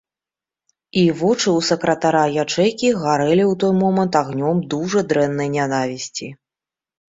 І вочы ў сакратара ячэйкі гарэлі ў той момант агнём дужа дрэннай нянавісці.